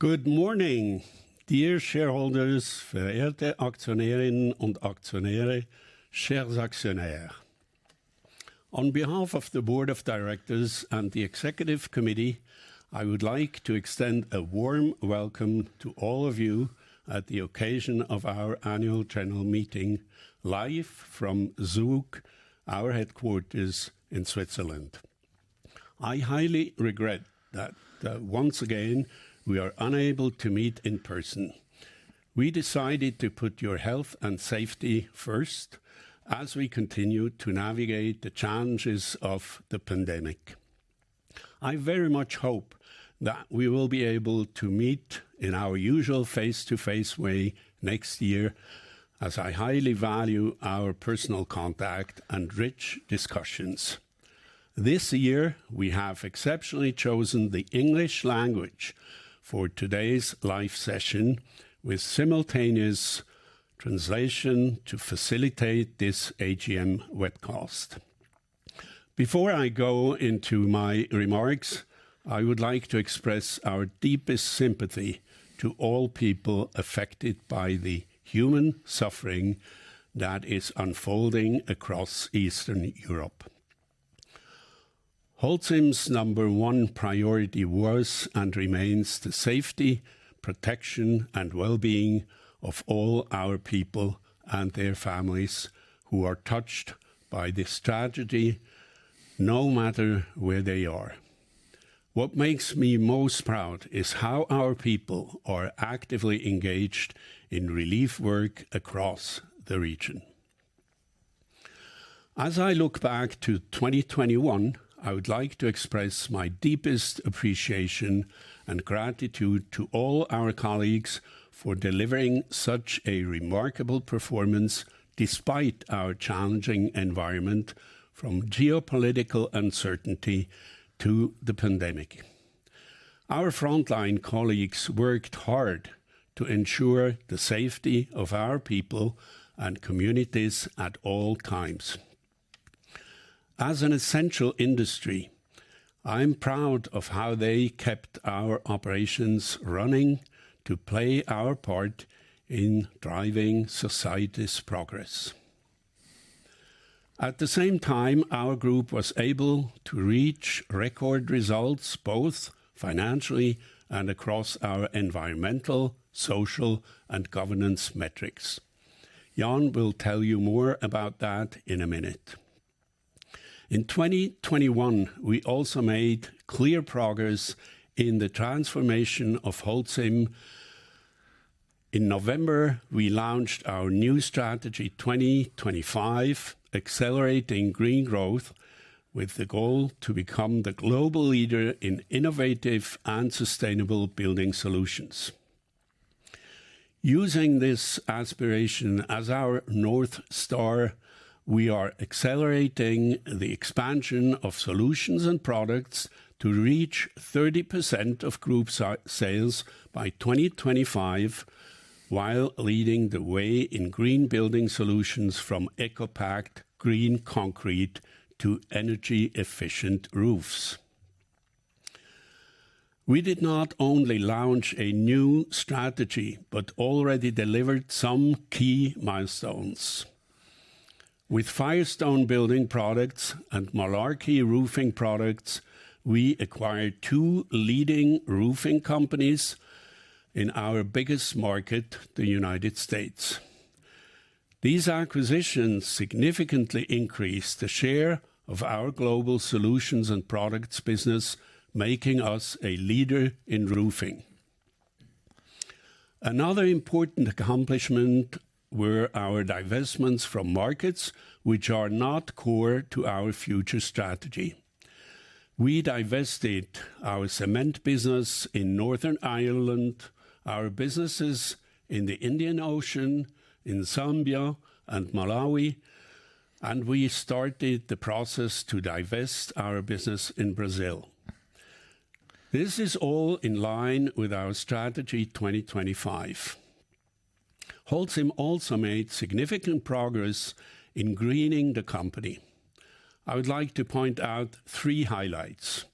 Good morning, dear shareholders. On behalf of the board of directors and the executive committee, I would like to extend a warm welcome to all of you at the occasion of our annual general meeting live from Zug, our headquarters in Switzerland. I highly regret that, once again, we are unable to meet in person. We decided to put your health and safety first as we continue to navigate the challenges of the pandemic. I very much hope that we will be able to meet in our usual face-to-face way next year, as I highly value our personal contact and rich discussions. This year, we have exceptionally chosen the English language for today's live session with simultaneous translation to facilitate this AGM webcast. Before I go into my remarks, I would like to express our deepest sympathy to all people affected by the human suffering that is unfolding across Eastern Europe. Holcim's number one priority was and remains the safety, protection, and well-being of all our people and their families who are touched by this tragedy, no matter where they are. What makes me most proud is how our people are actively engaged in relief work across the region. As I look back to 2021, I would like to express my deepest appreciation and gratitude to all our colleagues for delivering such a remarkable performance despite our challenging environment, from geopolitical uncertainty to the pandemic. Our frontline colleagues worked hard to ensure the safety of our people and communities at all times. As an essential industry, I am proud of how they kept our operations running to play our part in driving society's progress. At the same time, our group was able to reach record results, both financially and across our environmental, social, and governance metrics. Jan will tell you more about that in a minute. In 2021, we also made clear progress in the transformation of Holcim. In November, we launched our new strategy, Strategy 2025 – Accelerating Green Growth, with the goal to become the global leader in innovative and sustainable building solutions. Using this aspiration as our North Star, we are accelerating the expansion of solutions and products to reach 30% of group sales by 2025, while leading the way in green building solutions from ECOPact green concrete to energy-efficient roofs. We did not only launch a new strategy, but already delivered some key milestones. With Firestone Building Products and Malarkey Roofing Products, we acquired two leading roofing companies in our biggest market, the United States. These acquisitions significantly increased the share of our global solutions and products business, making us a leader in roofing. Another important accomplishment were our divestments from markets which are not core to our future strategy. We divested our cement business in Northern Ireland, our businesses in the Indian Ocean, in Zambia and Malawi, and we started the process to divest our business in Brazil. This is all in line with our strategy 2025. Holcim also made significant progress in greening the company. I would like to point out three highlights.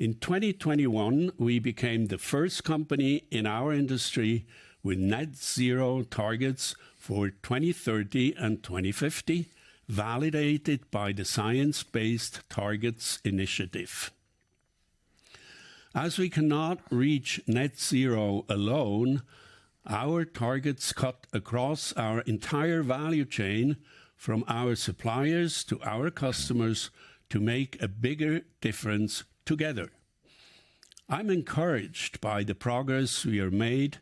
In 2021, we became the first company in our industry with net zero targets for 2030 and 2050, validated by the Science Based Targets initiative. As we cannot reach net zero alone, our targets cut across our entire value chain, from our suppliers to our customers, to make a bigger difference together. I'm encouraged by the progress we have made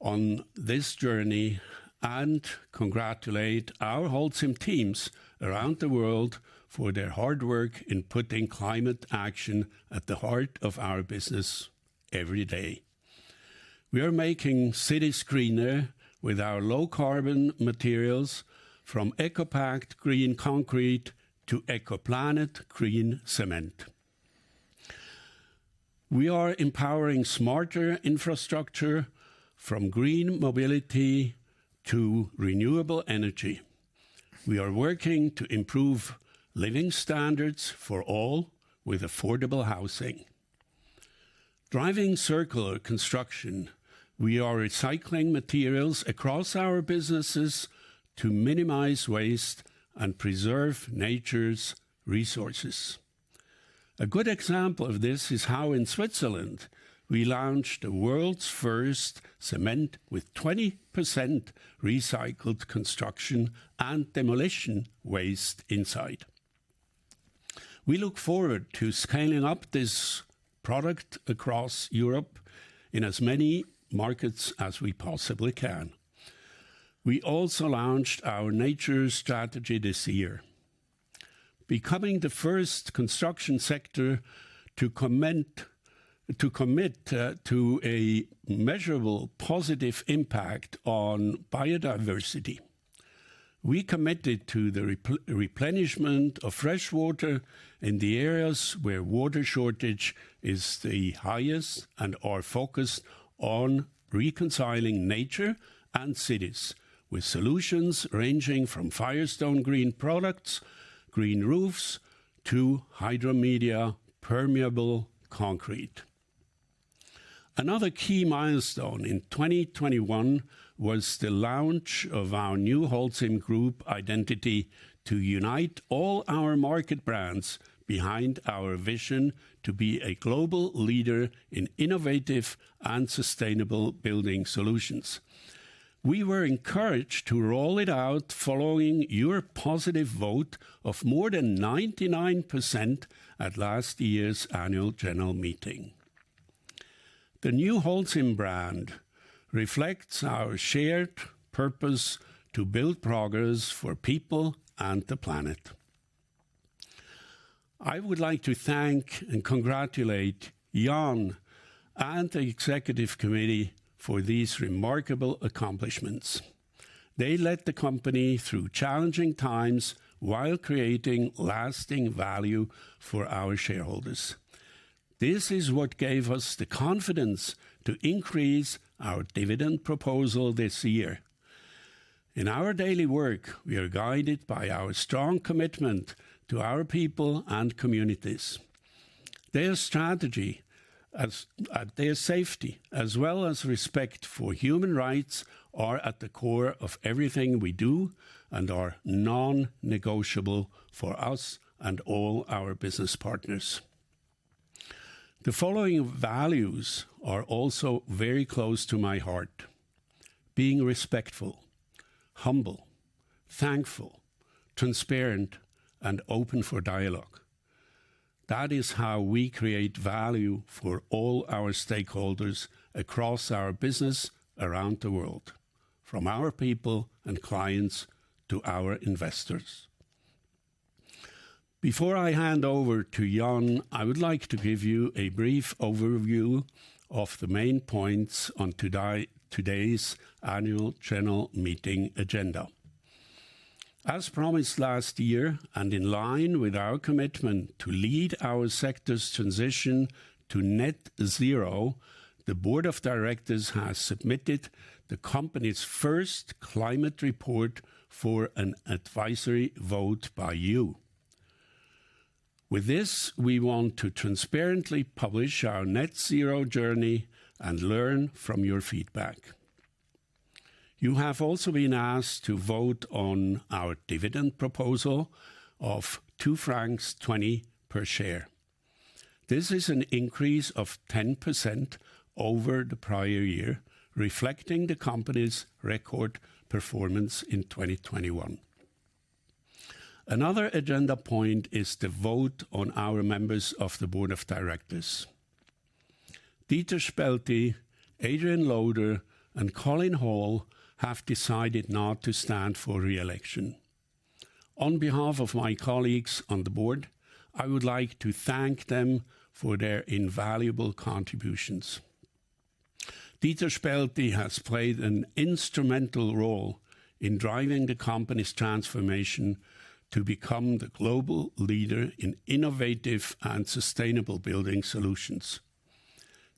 on this journey, and congratulate our Holcim teams around the world for their hard work in putting climate action at the heart of our business every day. We are making cities greener with our low carbon materials, from ECOPact green concrete to ECOPlanet green cement. We are empowering smarter infrastructure from green mobility to renewable energy. We are working to improve living standards for all with affordable housing. Driving circular construction, we are recycling materials across our businesses to minimize waste and preserve nature's resources. A good example of this is how in Switzerland we launched the world's first cement with 20% recycled construction and demolition waste inside. We look forward to scaling up this product across Europe in as many markets as we possibly can. We also launched our nature strategy this year, becoming the first construction sector to commit to a measurable positive impact on biodiversity. We committed to the replenishment of fresh water in the areas where water shortage is the highest, and are focused on reconciling nature and cities with solutions ranging from Firestone green products, green roofs, to Hydromedia permeable concrete. Another key milestone in 2021 was the launch of our new Holcim Group identity to unite all our market brands behind our vision to be a global leader in innovative and sustainable building solutions. We were encouraged to roll it out following your positive vote of more than 99% at last year's annual general meeting. The new Holcim brand reflects our shared purpose to build progress for people and the planet. I would like to thank and congratulate Jan and the executive committee for these remarkable accomplishments. They led the company through challenging times while creating lasting value for our shareholders. This is what gave us the confidence to increase our dividend proposal this year. In our daily work, we are guided by our strong commitment to our people and communities. Their safety, as well as respect for human rights, are at the core of everything we do and are non-negotiable for us and all our business partners. The following values are also very close to my heart. Being respectful, humble, thankful, transparent, and open for dialogue. That is how we create value for all our stakeholders across our business around the world, from our people and clients to our investors. Before I hand over to Jan, I would like to give you a brief overview of the main points on today's annual general meeting agenda. As promised last year, and in line with our commitment to lead our sector's transition to net zero, the board of directors has submitted the company's first climate report for an advisory vote by you. With this, we want to transparently publish our net zero journey and learn from your feedback. You have also been asked to vote on our dividend proposal of 2.20 francs per share. This is an increase of 10% over the prior year, reflecting the company's record performance in 2021. Another agenda point is the vote on our members of the board of directors. Dieter Spälti, Adrian Loader, and Colin Hall have decided not to stand for reelection. On behalf of my colleagues on the board, I would like to thank them for their invaluable contributions. Dieter Spälti has played an instrumental role in driving the company's transformation to become the global leader in innovative and sustainable building solutions.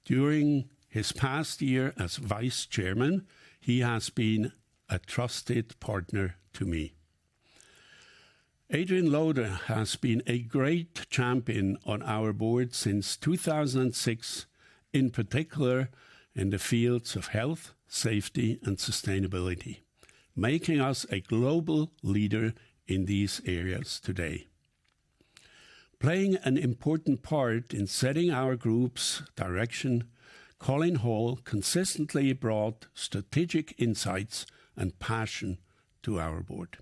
During his past year as vice chairman, he has been a trusted partner to me. Adrian Loader has been a great champion on our board since 2006, in particular in the fields of health, safety, and sustainability, making us a global leader in these areas today. Playing an important part in setting our group's direction, Colin Hall consistently brought strategic insights and passion to our board.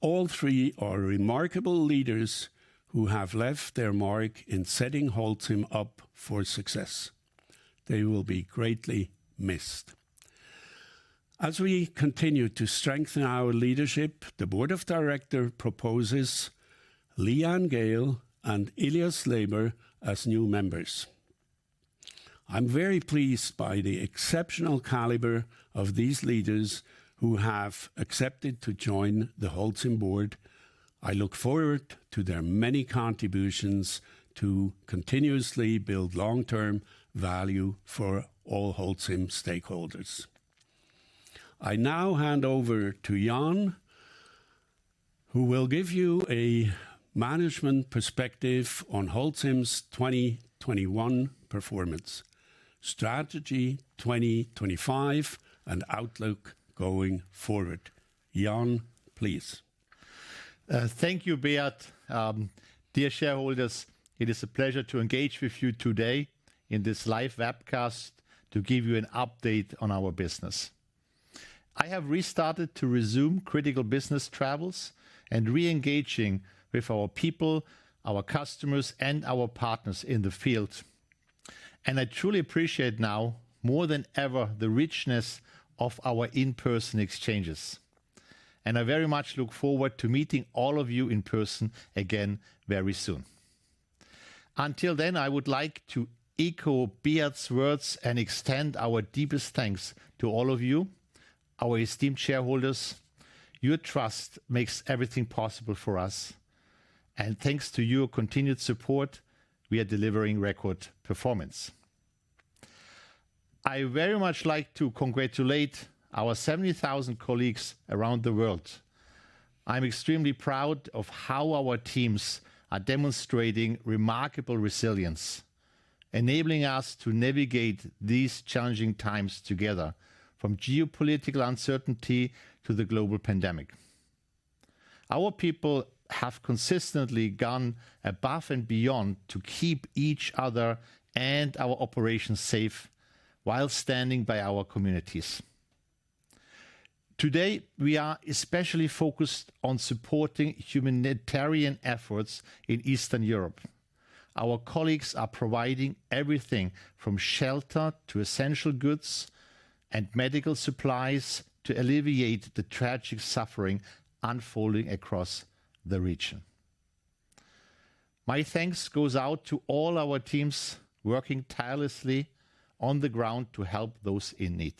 All three are remarkable leaders who have left their mark in setting Holcim up for success. They will be greatly missed. As we continue to strengthen our leadership, the board of directors proposes Leanne Geale and Ilias Läber as new members. I'm very pleased by the exceptional caliber of these leaders who have accepted to join the Holcim board. I look forward to their many contributions to continuously build long-term value for all Holcim stakeholders. I now hand over to Jan, who will give you a management perspective on Holcim's 2021 performance, Strategy 2025 and outlook going forward. Jan, please. Thank you, Beat. Dear shareholders, it is a pleasure to engage with you today in this live webcast to give you an update on our business. I have restarted to resume critical business travels and re-engaging with our people, our customers, and our partners in the field. I truly appreciate now more than ever the richness of our in-person exchanges, and I very much look forward to meeting all of you in person again very soon. Until then, I would like to echo Beat's words and extend our deepest thanks to all of you, our esteemed shareholders. Your trust makes everything possible for us, and thanks to your continued support, we are delivering record performance. I very much like to congratulate our 70,000 colleagues around the world. I'm extremely proud of how our teams are demonstrating remarkable resilience, enabling us to navigate these challenging times together, from geopolitical uncertainty to the global pandemic. Our people have consistently gone above and beyond to keep each other and our operations safe while standing by our communities. Today, we are especially focused on supporting humanitarian efforts in Eastern Europe. Our colleagues are providing everything from shelter to essential goods and medical supplies to alleviate the tragic suffering unfolding across the region. My thanks goes out to all our teams working tirelessly on the ground to help those in need.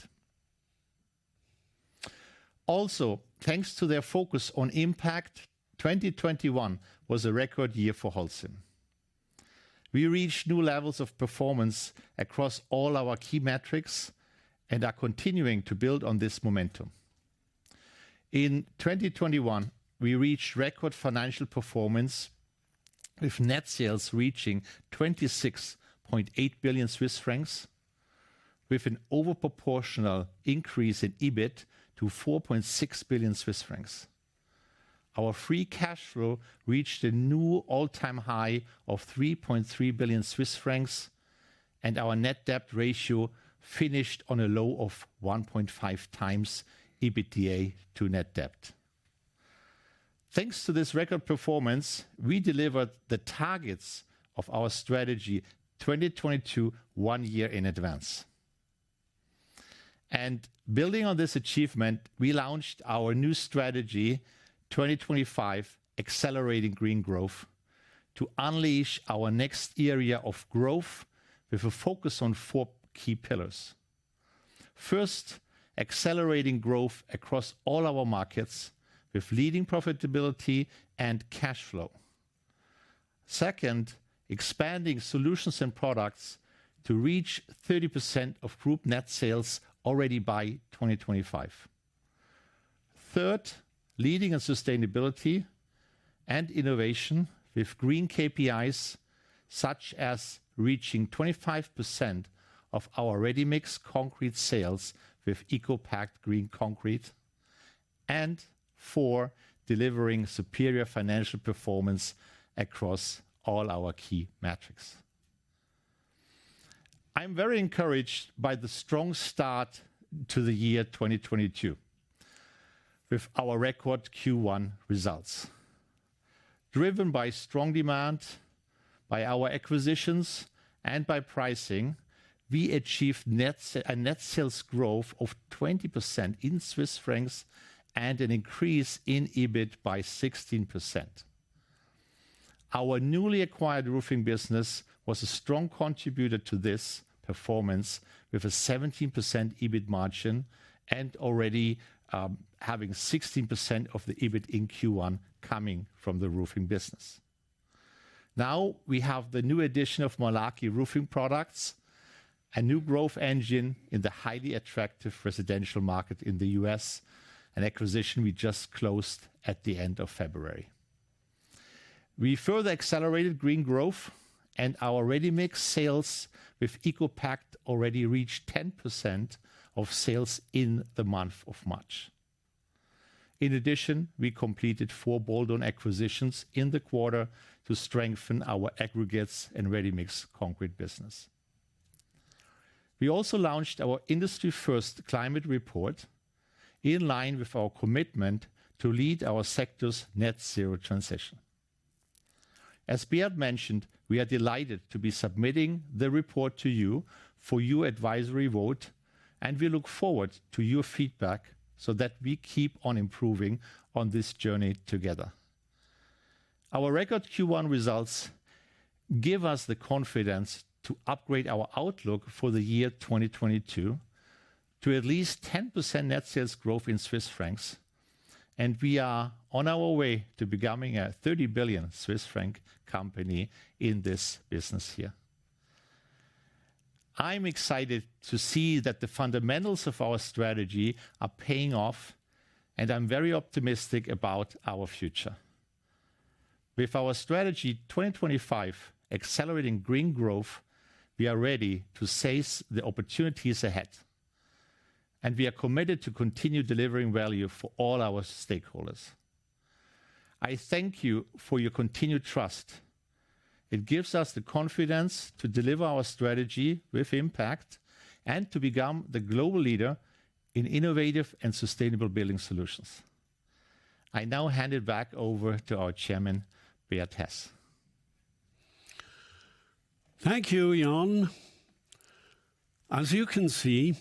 Also, thanks to their focus on impact, 2021 was a record year for Holcim. We reached new levels of performance across all our key metrics and are continuing to build on this momentum. In 2021, we reached record financial performance with net sales reaching 26.8 billion Swiss francs, with an overproportional increase in EBIT to 4.6 billion Swiss francs. Our free cash flow reached a new all-time high of 3.3 billion Swiss francs, and our net debt ratio finished on a low of 1.5x net debt to EBITDA. Thanks to this record performance, we delivered the targets of our Strategy 2022 one year in advance. Building on this achievement, we launched our new Strategy 2025 – Accelerating Green Growth, to unleash our next area of growth with a focus on four key pillars. First, accelerating growth across all our markets with leading profitability and cash flow. Second, expanding solutions and products to reach 30% of group net sales already by 2025. Third, leading in sustainability and innovation with green KPIs, such as reaching 25% of our ready-mix concrete sales with ECOPact green concrete. Four, delivering superior financial performance across all our key metrics. I'm very encouraged by the strong start to the year 2022 with our record Q1 results. Driven by strong demand, by our acquisitions, and by pricing, we achieved a net sales growth of 20% in CHF and an increase in EBIT by 16%. Our newly acquired roofing business was a strong contributor to this performance with a 17% EBIT margin and already having 16% of the EBIT in Q1 coming from the roofing business. Now, we have the new addition of Malarkey Roofing Products, a new growth engine in the highly attractive residential market in the U.S., an acquisition we just closed at the end of February. We further accelerated green growth and our ready-mix sales with ECOPact already reached 10% of sales in the month of March. In addition, we completed 4 bolt-on acquisitions in the quarter to strengthen our aggregates and ready-mix concrete business. We also launched our industry-first climate report in line with our commitment to lead our sector's net zero transition. As Beat mentioned, we are delighted to be submitting the report to you for your advisory vote, and we look forward to your feedback so that we keep on improving on this journey together. Our record Q1 results give us the confidence to upgrade our outlook for the year 2022 to at least 10% net sales growth in CHF, and we are on our way to becoming a 30 billion Swiss franc company in this business year. I'm excited to see that the fundamentals of our strategy are paying off, and I'm very optimistic about our future. With our Strategy 2025 - Accelerating Green Growth, we are ready to seize the opportunities ahead, and we are committed to continue delivering value for all our stakeholders. I thank you for your continued trust. It gives us the confidence to deliver our strategy with impact and to become the global leader in innovative and sustainable building solutions. I now hand it back over to our Chairman, Beat Hess. Thank you, Jan. As you can see,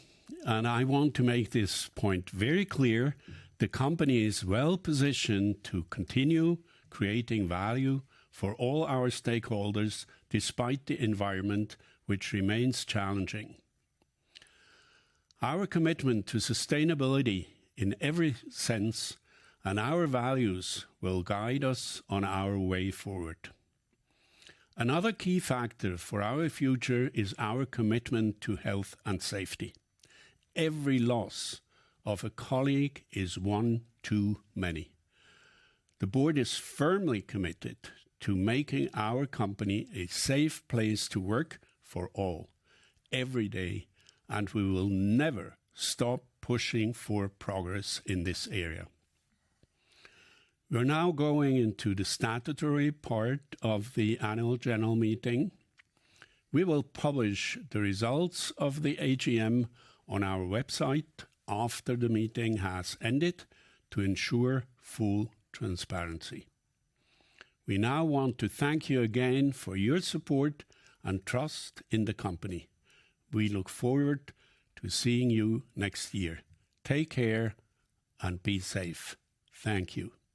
and I want to make this point very clear, the company is well-positioned to continue creating value for all our stakeholders despite the environment which remains challenging. Our commitment to sustainability in every sense, and our values will guide us on our way forward. Another key factor for our future is our commitment to health and safety. Every loss of a colleague is one too many. The board is firmly committed to making our company a safe place to work for all every day, and we will never stop pushing for progress in this area. We're now going into the statutory part of the annual general meeting. We will publish the results of the AGM on our website after the meeting has ended to ensure full transparency. We now want to thank you again for your support and trust in the company. We look forward to seeing you next year. Take care and be safe. Thank you.